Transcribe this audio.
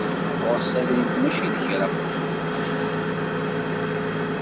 Ɣures tadrimt mačči d kra.